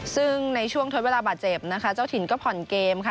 ซึ่งในช่วงทดเวลาบาดเจ็บนะคะเจ้าถิ่นก็ผ่อนเกมค่ะ